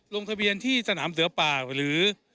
ลงทะเบียนที่สนามเสือป่าหรือ